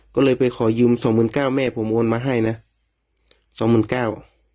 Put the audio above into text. ก็เลยไปขอยืมสองหมื่นเก้าแม่ผมโอนมาให้นะสองหมื่นเก้า